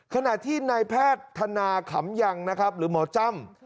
ขณะที่นายแพทย์ธนาขำยังนะครับหรือหมอจ้ำ